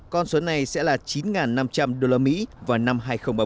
con số này sẽ là chín năm trăm linh usd vào năm hai nghìn ba mươi